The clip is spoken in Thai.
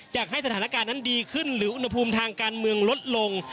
อยากให้สถานการณ์นั้นดีขึ้นหรืออุณหภูมิทางการเมืองลดลง